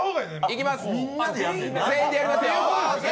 全員でやりますよ。